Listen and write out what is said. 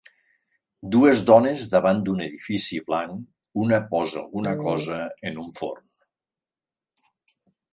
Dues dones davant d'un edifici blanc, una posa alguna cosa en un forn.